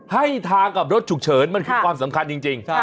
ให้ทางกับรถฉุกเฉินมันคือความสำคัญจริง